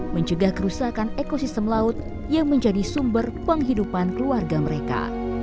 mencegah kerusakan ekosistem laut yang menjadi sumber penghidupan keluarga mereka